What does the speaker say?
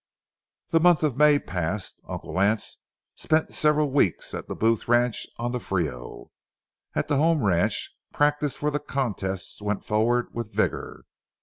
The month of May passed. Uncle Lance spent several weeks at the Booth ranch on the Frio. At the home ranch practice for the contests went forward with vigor.